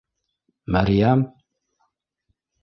Мәрйәм?